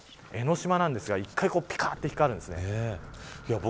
神奈川の江ノ島なんですが一回ぴかっと光るんです。